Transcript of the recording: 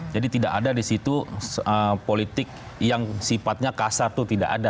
jadi tidak ada di situ politik yang sifatnya kasar itu tidak ada